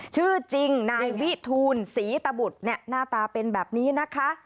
ชื่อจริงนายวิทูลศรีตบุตรหน้าตาเป็นแบบนี้นะคะ